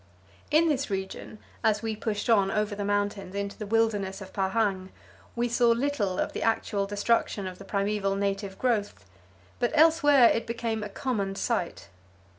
In this region, as we pushed on over the mountains into the wilderness of Pahang, we saw little of the actual destruction of the primeval native growth, but elsewhere it became a common sight.